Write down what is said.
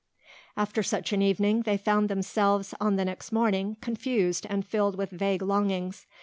After such an evening they found themselves, on the next morning, confused and filled with vague longings.